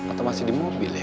atau masih di mobil ya